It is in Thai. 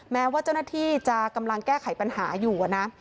แม้ว่าเจ้าหน้าที่จะกำลังแก้ไขปัญหาอยู่นะ